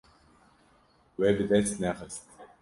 We bi dest nexist.